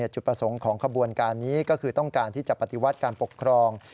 จุดประสงค์ของขบวนการนี้ก็คือต้องการที่จะปฏิวัติการปกครอง